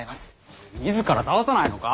自ら倒さないのか？